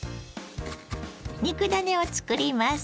肉ダネを作ります。